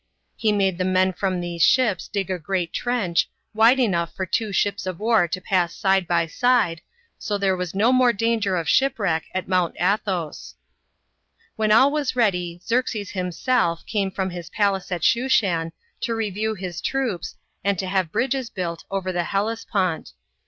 He made $he men from these ships dig a B.C. 480.] CROSSING THE HELLESPONT. 91 trench, wide enough for two ships of war to pass side by side, so there was no more danger of shipwreck at Mount Athos. When all was ready Xerxes himself, came from his palace at Shushan, to review his troops, and to have bridges built over the Hellespont.